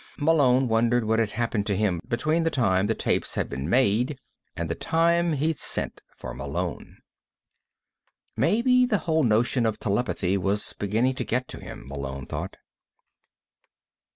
Malone wondered what had happened to him between the time the tapes had been made and the time he'd sent for Malone. Maybe the whole notion of telepathy was beginning to get him, Malone thought.